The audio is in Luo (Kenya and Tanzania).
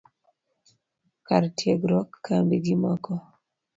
kar tiegruok, kambi, gi mamoko